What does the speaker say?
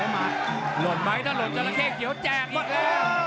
หลดมั้ยถ้าหลดจัลระเคเกียวแจ่งอีกแล้ว